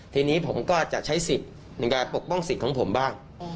ทีนี้ผมก็จะใช้สิทธิ์ในการปกป้องสิทธิ์ของผมบ้าง